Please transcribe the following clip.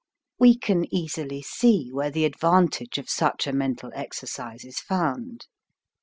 We can easily see where the advantage of such a mental exercise is found.